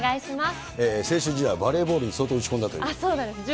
青春時代、バレーボールに相当打ち込んだという。